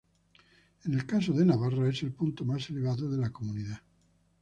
En el caso de Navarra es el punto más elevado de la comunidad.